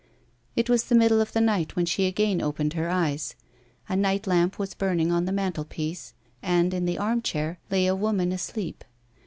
It was the middle of the night when she again opened her eyes. A night lamp was burning on the mantelpiece, and, in the arm chair, lay a woman asleep.